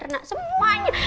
sama anak semuanya